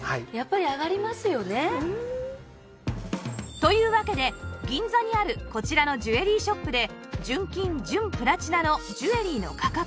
というわけで銀座にあるこちらのジュエリーショップで純金・純プラチナのジュエリーの価格をリサーチ